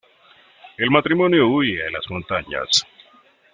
El matrimonio huye a las montañas.